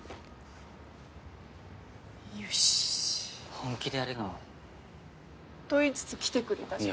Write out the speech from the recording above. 本気でやるの？と言いつつ来てくれたじゃん。